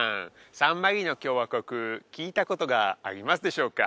サンマリノ共和国聞いたことがありますでしょうか？